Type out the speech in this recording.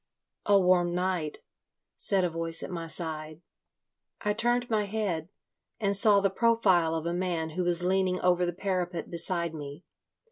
"A warm night," said a voice at my side. I turned my head, and saw the profile of a man who was leaning over the parapet beside me.